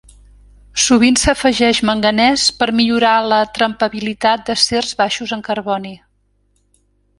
Sovint s'afegeix manganès per millorar la trempabilitat d'acers baixos en carboni.